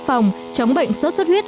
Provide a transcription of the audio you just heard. phòng chống bệnh sốt sốt huyết